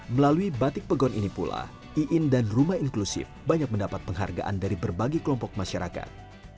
melalui batik pegon ini pula iin dan rumah inklusif banyak mendapat penghargaan dari berbagai kelompok masyarakat